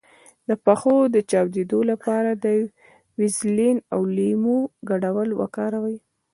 د پښو د چاودیدو لپاره د ویزلین او لیمو ګډول وکاروئ